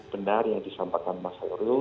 benar yang disampaikan mas heru